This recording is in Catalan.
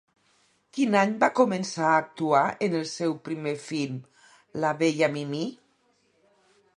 Quin any va començar a actuar en el seu primer film "La bella Mimí"?